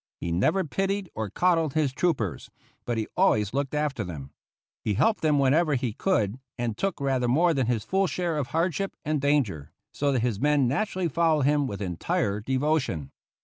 He never pitied or coddled his troopers, but he always looked after them. He helped them whenever he could, and took rather more than his full share of hardship and danger, so that his men naturally followed him with entire devotion.